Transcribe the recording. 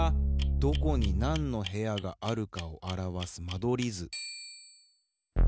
どこになんの部屋があるかをあらわす間取り図。